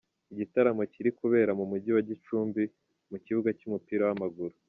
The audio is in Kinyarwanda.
Igitaramo kiri kubera mu Mujyi wa Gicumbi, mu kibuga cy’umupira w’amaguru.